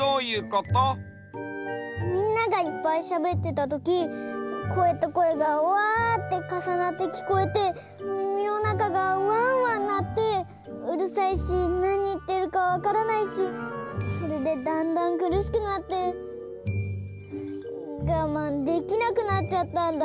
みんながいっぱいしゃべってたときこえとこえがわってかさなってきこえてみみのなかがわんわんなってうるさいしなにいってるかわからないしそれでだんだんくるしくなってがまんできなくなっちゃったんだ。